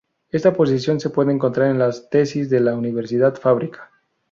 Esta posición se puede encontrar en las "Tesis de la Universidad Fábrica".